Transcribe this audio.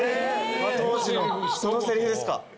当時のそのせりふですか。